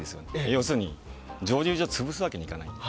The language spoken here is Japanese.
要するに、蒸留所を潰すわけにはいかないので。